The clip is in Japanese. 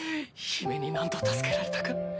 姫に何度助けられたか。